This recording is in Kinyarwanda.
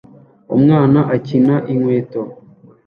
Umwana akina inkweto